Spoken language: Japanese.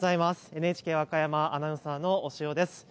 ＮＨＫ和歌山アナウンサーの押尾です。